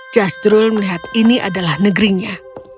jastrul melihat ini adalah negerinya